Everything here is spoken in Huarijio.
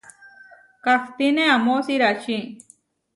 Kahtíne amó siráči.